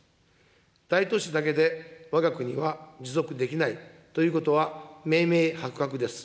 大都市だけで、わが国は持続できないということは、明々白々です。